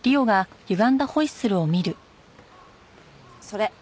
それ